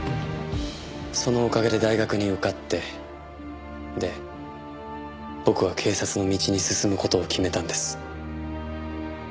そのおかげで大学に受かってで僕は警察の道に進む事を決めたんです。